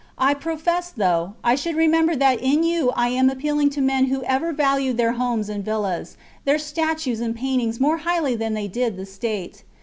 I profess, though, I should remem ber that in you I am appealing to men who ever valued their houses and villas, their statues and paint ings more highly than they did the state.